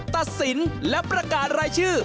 ตัดสินและประกาศรายชื่อ